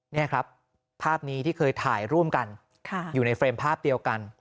นี่ครับภาพนี้ที่เคยถ่ายร่วมกันอยู่ในเฟรมภาพเดียวกัน